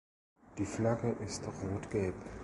Die Flagge ist Rot-Gelb.